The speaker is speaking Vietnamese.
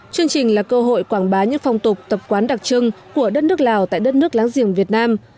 chương trình là cơ hội quảng bá những phong tục tập quán đặc trưng của đất nước lào tại đất nước láng giềng việt nam